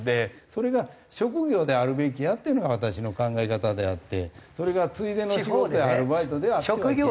それが職業であるべきやっていうのが私の考え方であってそれがついでの仕事やアルバイトであってはいけない。